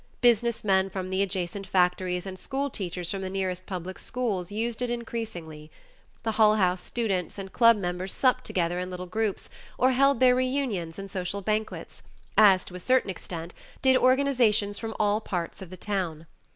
Business men from the adjacent factories and school teachers from the nearest public schools, used it increasingly. The Hull House students and club members supped together in little groups or held their reunions and social banquets, as, to a certain extent, did organizations from all parts of the town.